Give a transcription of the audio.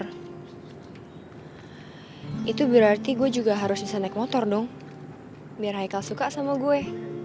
hai itu berarti gue juga harus bisa naik motor dong biar suka sama gue